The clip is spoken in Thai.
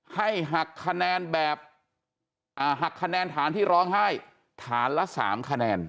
ให้หักคะแนนแบบหักคะแนนฐานที่ร้องไห้ฐานละ๓คะแนน